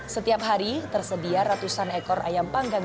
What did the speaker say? setiap hari tersedia ratusan ekor ayam panggang